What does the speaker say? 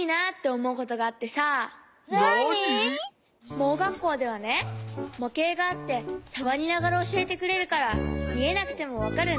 盲学校ではねもけいがあってさわりながらおしえてくれるからみえなくてもわかるんだ。